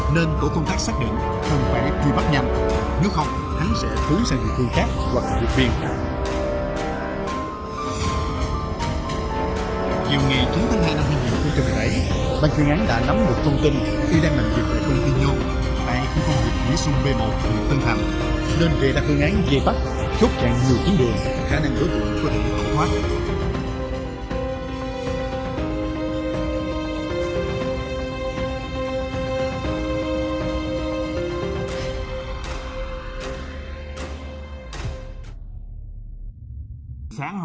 nên cổ công tác xác định không phải truy bắt nhanh